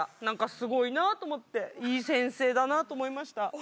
なんかスゴいなと思っていい先生だなと思いました。